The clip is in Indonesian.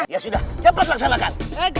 ya sudah cepat laksanakan